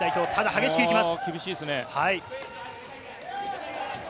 激しくいきます。